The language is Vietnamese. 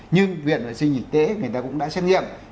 nhưng viện vệ sinh y tế người ta cũng đã xét nghiệm